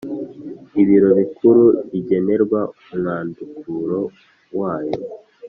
Ibiro Bikuru bigenerwa umwandukuro wayo